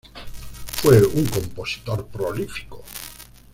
Fue un compositor prolífico.